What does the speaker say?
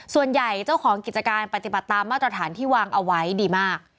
เจ้าของกิจการปฏิบัติตามมาตรฐานที่วางเอาไว้ดีมาก